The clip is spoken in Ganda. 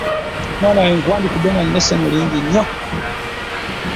Mwana wange nkuwandiikidde nga nnina essanyu lingi nnyo.